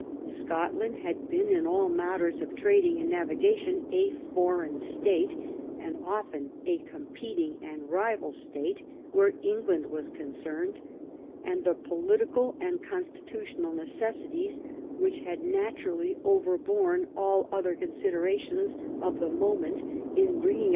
Scotland had been in all matters of trading and navigation a foreign state, and often a competing and rival state where England was concerned, and the political and constitutional ne cessities which had naturally overborne all other con siderations of the moment in bringing p.